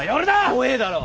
怖えだろ。